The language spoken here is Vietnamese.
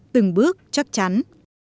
từng bước chắc chắn